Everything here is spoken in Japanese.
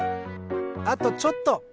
あとちょっと！